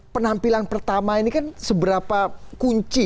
penampilan pertama ini kan seberapa kunci